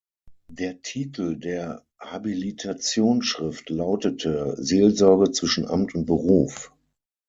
Der Titel der Habilitationsschrift lautete: "„Seelsorge zwischen Amt und Beruf“".